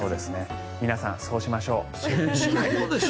皆さん、そうしましょう。